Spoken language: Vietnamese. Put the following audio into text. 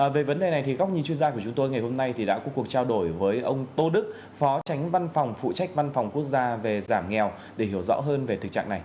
về vấn đề này thì góc nhìn chuyên gia của chúng tôi ngày hôm nay đã có cuộc trao đổi với ông tô đức phó tránh văn phòng phụ trách văn phòng quốc gia về giảm nghèo để hiểu rõ hơn về thực trạng này